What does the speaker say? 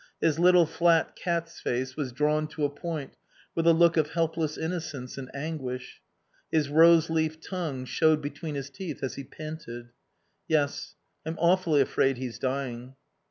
His little, flat cat's face was drawn to a point with a look of helpless innocence and anguish. His rose leaf tongue showed between his teeth as he panted. "Yes. I'm awfully afraid he's dying."